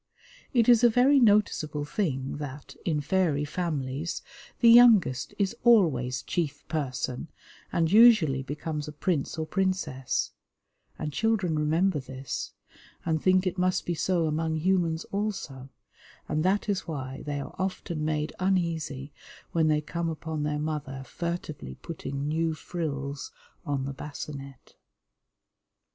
It is a very noticeable thing that, in fairy families, the youngest is always chief person, and usually becomes a prince or princess; and children remember this, and think it must be so among humans also, and that is why they are often made uneasy when they come upon their mother furtively putting new frills on the basinette.